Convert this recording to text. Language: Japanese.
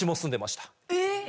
えっ。